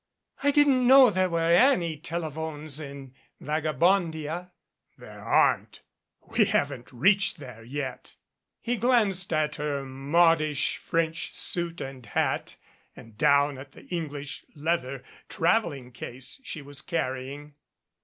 "I didn't know there were any telephones in Vaga bondia." "There aren't. We haven't reached there yet." He glanced at her modish French suit and hat and down at the English leather traveling case she was carrying.